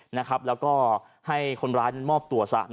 แล้วก็ให้คนร้ายมอบตัวซะ